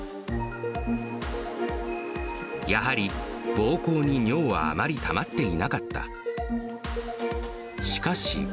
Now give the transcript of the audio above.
やはりぼうこうに尿はあまりたまっていなかった。